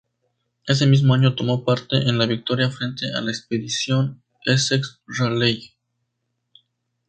Ese mismo año tomó parte en la victoria frente a la Expedición Essex-Raleigh.